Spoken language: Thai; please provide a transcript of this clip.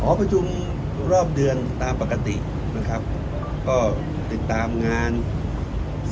การประชุมเมื่อวานมีข้อกำชับหรือข้อกำชับอะไรเป็นพิเศษ